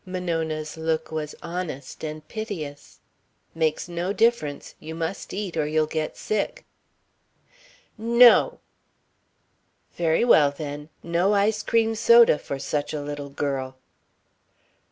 Monona's look was honest and piteous. "Makes no difference. You must eat or you'll get sick." "No!" "Very well, then. No ice cream soda for such a little girl."